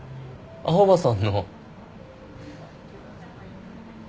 青羽さん